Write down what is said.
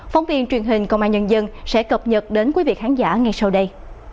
phóng viên truyền hình công an nhân dân sẽ cập nhật đến quý vị khán giả ngay sau đây